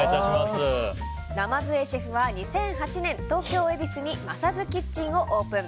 鯰江シェフは、２００８年東京・恵比寿にマサズキッチンをオープン。